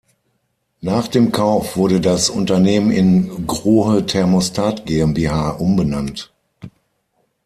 Nach dem Kauf wurde das Unternehmen in "Grohe Thermostat GmbH" umbenannt.